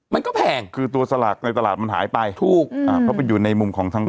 มันก็แพงคือตัวสลากในตลาดมันหายไปถูกอ่าเพราะมันอยู่ในมุมของทางร้าน